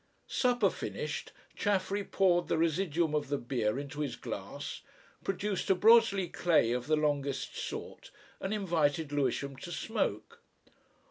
Supper finished, Chaffery poured the residuum of the beer into his glass, produced a Broseley clay of the longest sort, and invited Lewisham to smoke.